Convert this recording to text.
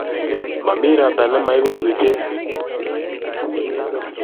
momi ropta nemoibu kibichek